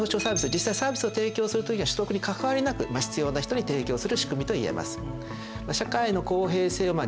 実際にサービスを提供する時は所得に関わりなく必要な人に提供する仕組みといえます。